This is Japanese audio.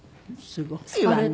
すごいわね。